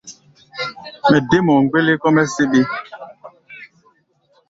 Mɛ dé mɔ gbɛ́lɛ́wɛlɛ kɔ́-mɛ́ síɓí.